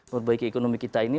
perbaiki ekonomi kita ini